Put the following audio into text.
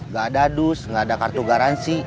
gak ada dus gak ada kartu garansi